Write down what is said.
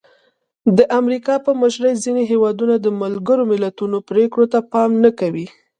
د امریکا په مشرۍ ځینې هېوادونه د ملګرو ملتونو پرېکړو ته پام نه کوي.